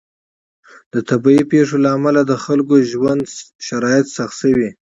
د طبیعي پیښو له امله د خلکو د ژوند شرایط سخت شوي.